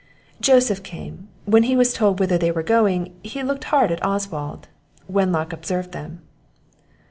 Joseph came; when he was told whither they were going, he looked hard at Oswald. Wenlock observed them.